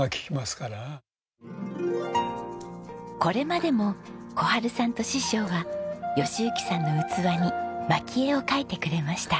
これまでも小春さんと師匠は喜行さんの器に蒔絵を描いてくれました。